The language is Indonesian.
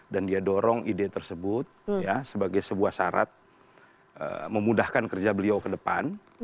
dan dia dorong ide tersebut sebagai sebuah syarat memudahkan kerja beliau ke depan